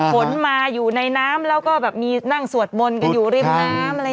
ผลมาอยู่ในน้ำแล้วก็นั่งสวดมนต์กันอยู่ริมน้ำ